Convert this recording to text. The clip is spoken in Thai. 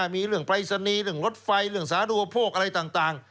มีเรื่องปรายศนีย์เรื่องรถไฟเรื่องสาธุปโภคอะไรต่าง